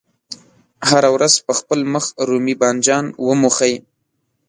هره ورځ په خپل مخ رومي بانجان وموښئ.